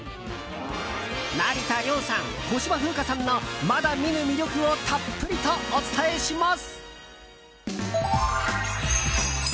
成田凌さん、小芝風花さんのまだ見ぬ魅力をたっぷりとお伝えします！